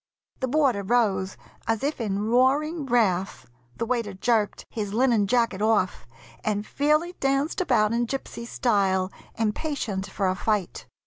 The boarder rose as if in roaring wrath, The waiter jerked his linen jacket off And fairly danced about in gypsy style, Impatient for a fight.